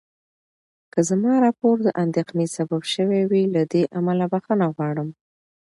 که زما راپور د اندېښنې سبب شوی وي، له دې امله بخښنه غواړم.